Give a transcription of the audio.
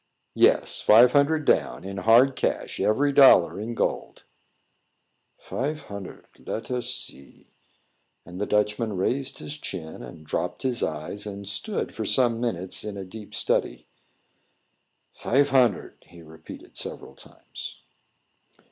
"Yes; five hundred down, in hard cash every dollar in gold." "Fife hunnard. Let us see." And the Dutchman raised his chin and dropped his eyes, and stood for some minutes in a deep study. "Fife hunnard," he repeated several times.